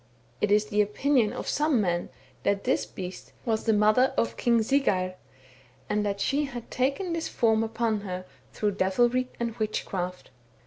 It is the opinion of some men that this beast was the mother of King Siggeir, and that she had taken this form upon her through devilry and witchcraft.